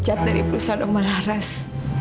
dipecat dari perusahaan oma laras